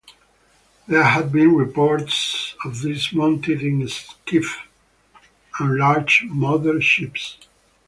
There have been reports of these mounted in skiffs and larger "mother ships".